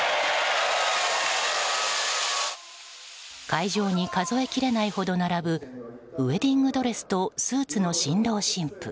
会場に数えきれないほど並ぶウエディングドレスとスーツの新郎新婦。